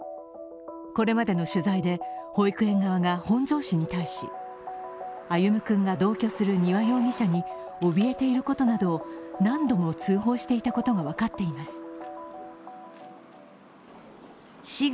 これまでの取材で保育園側が本庄市に対し歩夢君が同居する丹羽容疑者におびえていることなどを何度も通報していたことが分かっています。